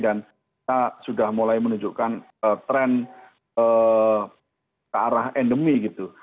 dan kita sudah mulai menunjukkan tren ke arah endemi gitu